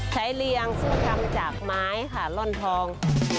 เรียงซึ่งทำจากไม้ค่ะร่อนทอง